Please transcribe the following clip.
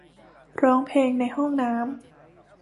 ร้องเพลงในห้องน้ำ